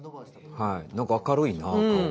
何か明るいな顔が。